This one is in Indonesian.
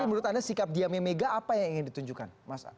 tapi menurut anda sikap dia memegang apa yang ingin ditunjukkan